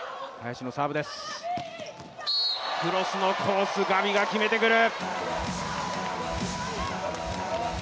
クロスのコース、ガビが決めてくる。